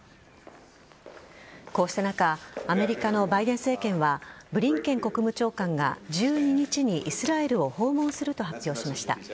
こうした中アメリカのバイデン政権はブリンケン国務長官が１２日にイスラエルを訪問すると発表しました。